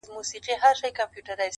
o خدايه ته لوی يې.